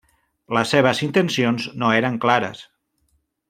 Les seves intencions no eren clares.